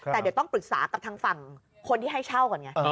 แต่เดี๋ยวต้องปรึกษากับทางฝั่งคนที่ให้เช่าก่อนไง